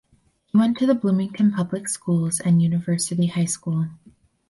He went to the Bloomington public schools and University High School.